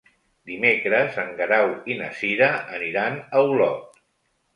Dimecres en Guerau i na Cira aniran a Olot.